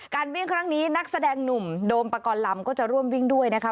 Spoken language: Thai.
วิ่งครั้งนี้นักแสดงหนุ่มโดมปกรณ์ลำก็จะร่วมวิ่งด้วยนะคะ